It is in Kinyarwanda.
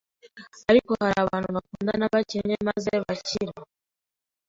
ariko hari abantu bakundana bakennye maze bakira,